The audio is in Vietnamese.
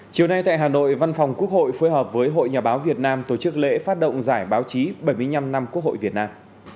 chiều nay tại hà nội văn phòng quốc hội phối hợp với hội nhà báo việt nam tổ chức lễ phát động giải báo chí bảy mươi năm năm quốc hội việt nam